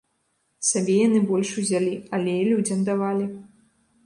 Сабе яны больш узялі, але і людзям давалі.